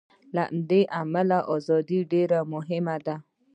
له دې امله ازادي ډېره مهمه ده.